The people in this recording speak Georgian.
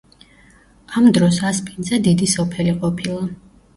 ამ დროს ასპინძა დიდი სოფელი ყოფილა.